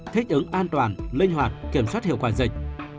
thích ứng an toàn linh hoạt kiểm soát hiệu quả dịch